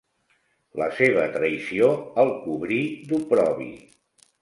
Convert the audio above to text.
La seva traïció el cobrí d'oprobi.